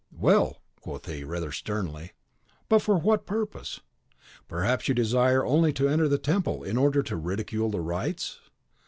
"Well!" quoth he, rather sternly; "but for what purpose? Perhaps you desire only to enter the temple in order to ridicule the rites?"